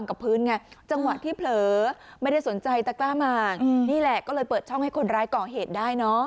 คุณยายกล่องเหตุได้เนอะ